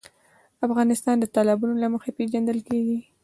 افغانستان د تالابونه له مخې پېژندل کېږي.